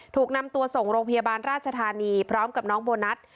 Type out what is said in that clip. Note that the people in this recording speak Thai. ถูกนำตัวส่งโรงพยาบาลราชธานีพร้อมกับน้องโบนัส